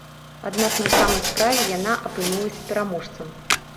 Аднак на самай справе яна апынулася пераможцам.